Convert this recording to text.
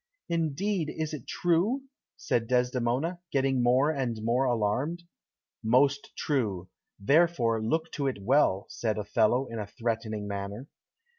"Indeed! Is it true?" said Desdemona, getting more and more alarmed. "Most true. Therefore look to it well," said Othello in a threatening manner.